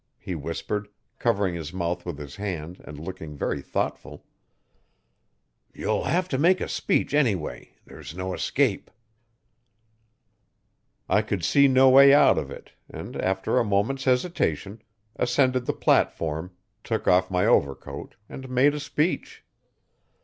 he whispered, covering his mouth with his band and looking very thoughtful. 'You'll have to make a speech, anyway there's no escape. I could see no way out of it and, after a moment's hesitation, ascended the platform took off my overcoat and made a speech.